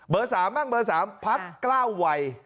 เบอร์๓บ้างเบอร์๓พักกล้าวไหว